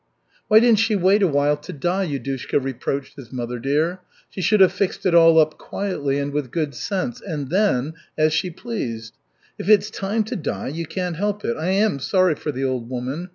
"Why didn't she wait a while to die?" Yudushka reproached his mother dear. "She should have fixed it all up quietly and with good sense, and then as she pleased! If it's time to die you can't help it. I am sorry for the old woman.